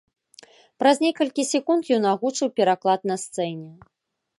Праз некалькі секунд ён агучыў пераклад на сцэне.